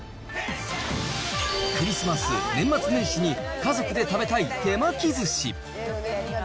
クリスマス、年末年始に家族で食べたい手巻きずし。